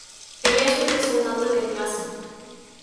Ella es representante de clase.